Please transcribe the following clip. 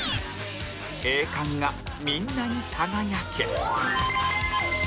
栄冠がみんなに輝け